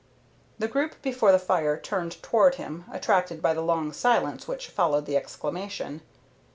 The group before the fire turned toward him, attracted by the long silence which followed the exclamation.